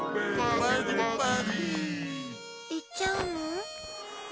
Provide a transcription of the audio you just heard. いっちゃうの？